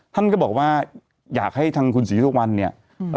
ท่านก็บอกว่าอยากให้ทางคุณศรีสุวรรณเนี่ย